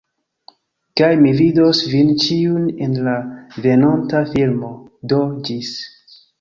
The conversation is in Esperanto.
Kaj mi vidos vin ĉiujn en la venonta filmo. Do ĝis.